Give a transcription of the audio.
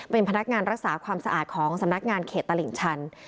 เป็นพนักงานรักษาความสะอาดของสำนักงานเขตตลิ่งชัน